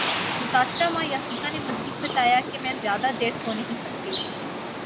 متاثرہ ماں یاسیکا نے مزید بتایا کہ میں زیادہ دیر سو نہیں سکتی